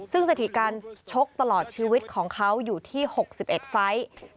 ซึ่งสถิติการชกตลอดชีวิตของเขาอยู่ที่๖๑ไฟล์